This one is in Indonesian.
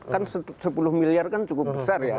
kan sepuluh miliar kan cukup besar ya